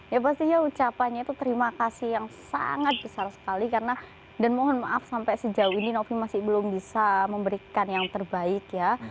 ya pastinya ucapannya itu terima kasih yang sangat besar sekali karena dan mohon maaf sampai sejauh ini novi masih belum bisa memberikan yang terbaik ya